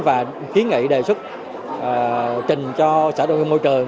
và kiến nghị đề xuất trình cho xã đô nghiệp môi trường